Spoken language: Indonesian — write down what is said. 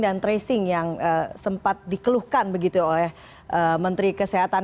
dan tracing yang sempat dikeluhkan begitu oleh menteri kesehatan